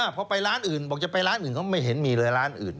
พอไปร้านอื่นบอกจะไปร้านอื่นเขาไม่เห็นมีเลยร้านอื่น